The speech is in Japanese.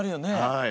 はい。